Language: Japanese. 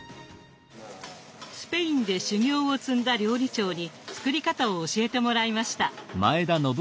スペインで修業を積んだ料理長に作り方を教えてもらいました。